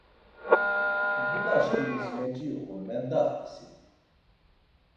Bulaşkimis meci uğun, mendaxt̆i siti.